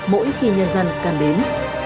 mỗi khi nhân dân cần đến